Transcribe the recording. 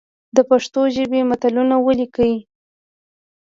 د پښتو ژبي متلونه ولیکئ!